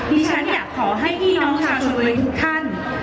ที่ฉันอยากขอให้อี่น้องชาวชนเวย์ทุกท่าน